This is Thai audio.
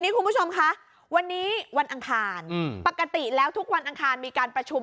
คุณผู้ชมคะวันนี้วันอังคารปกติแล้วทุกวันอังคารมีการประชุม